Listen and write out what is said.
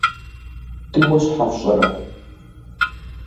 Дыуэ щхьэ фщӀырэ?